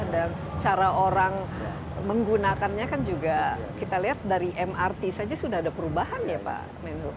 cara orang menggunakannya kan juga kita lihat dari mrt saja sudah ada perubahan ya pak menlu